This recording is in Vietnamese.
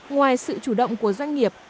ngoài sự chủ động của doanh nghiệp